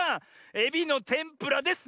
エビのてんぷらです。